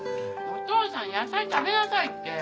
お父さん野菜食べなさいって。